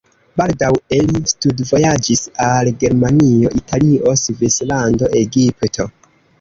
Baldaŭe li studvojaĝis al Germanio, Italio, Svislando, Egipto.